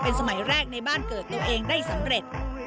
สมัยแรกในบ้านเกิดตัวเองได้สำเร็จ